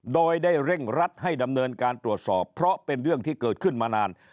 โดยได้เร่งรัดให้ดำเนินการตรวจสอบเพราะเป็นเรื่องที่เกิดขึ้นมานาน